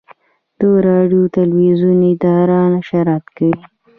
د راډیو تلویزیون اداره نشرات کوي